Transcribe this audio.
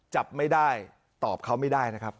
จับไม่ได้ตอบเขาไม่ได้นะครับ